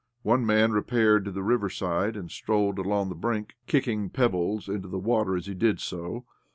One man repaired to the riverside, and strolled along the brink — kicking pebbles into the water as he did so.